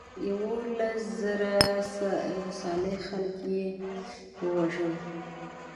یولس زره صالح خلک یې وژل.